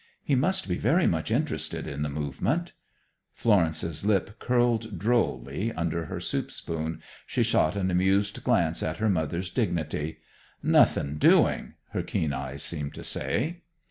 He must be very much interested in the movement." Florence's lip curled drolly under her soup spoon. She shot an amused glance at her mother's dignity. "Nothing doing," her keen eyes seemed to say.